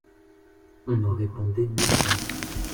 On en répandait mille contes.